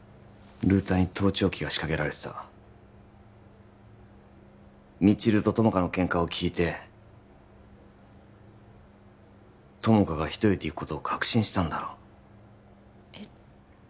ルーターに盗聴器が仕掛けられてた未知留と友果のケンカを聞いて友果が一人で行くことを確信したんだろうえっ？